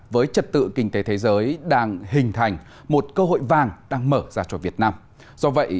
với trật tự kinh tế thế giới đang hình thành một cơ hội vàng đang mở ra cho việt nam do vậy